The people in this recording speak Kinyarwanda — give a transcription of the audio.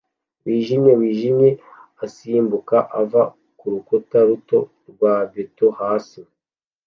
wijimye wijimye asimbuka ava kurukuta ruto rwa beto hasi